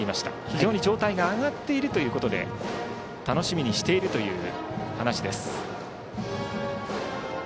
非常に状態が上がっているということで楽しみにしているという話です。